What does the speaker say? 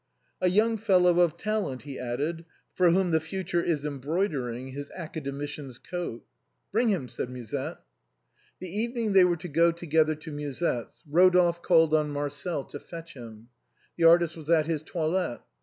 "A young fellow of talent," he added, " for whom the future is embroidering his Academician's coat." " Bring him," said Musette. The evening they were to go together to Musette's Ro dolphe called on Marcel to fetch him. The artist was at his toilet.